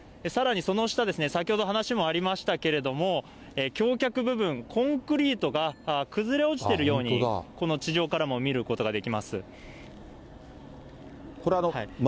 さらに、その下、先ほど話もありましたけれども、橋脚部分、コンクリートが崩れ落ちてるように、この地上からも見ることができます。